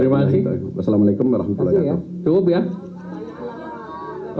wassalamualaikum warahmatullahi wabarakatuh